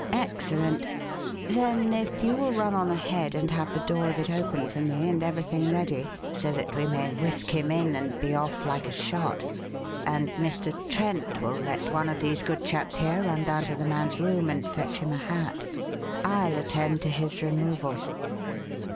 "Excellent! Then, if you will run on ahead and have the door of it open for me and everything ready so that we may whisk him in and be off like a shot, and Mr. Trent will let one of these good chaps here run down to the man's room and fetch him a hat, I'll attend to his removal."